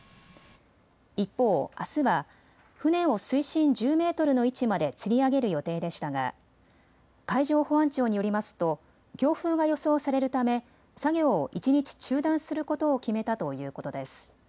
一方あすは船を水深１０メートルの位置までつり上げる予定でしたが海上保安庁によりますと強風が予想されるため作業を一日中断することを決めたということです。